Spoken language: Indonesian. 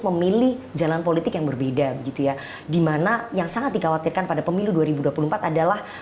memilih jalan politik yang berbeda gitu ya dimana yang sangat dikhawatirkan pada pemilu dua ribu dua puluh empat adalah